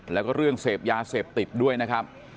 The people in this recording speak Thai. แล้วก็เรื่องเสพยาเสพติดด้วยนะครับ